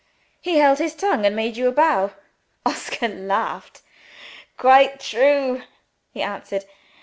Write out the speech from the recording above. "He held his tongue, and made you a bow." Oscar laughed. "Quite true!" he answered.